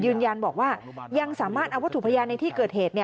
ยืนยันบอกว่ายังสามารถเอาวัตถุพยานในที่เกิดเหตุ